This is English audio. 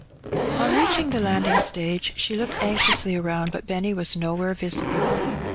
On reaching the landing stage she looked anxiously around, but Benny was nowhere visible.